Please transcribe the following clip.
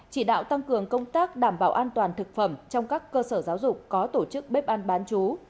chỉ đạo tăng cường công tác đảm bảo an toàn thực phẩm trong các cơ sở giáo dục có tổ chức bếp ăn bán chú